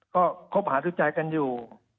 ก็คบหาดูใจกันอยู่